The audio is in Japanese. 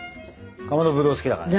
かまどぶどう好きだからね。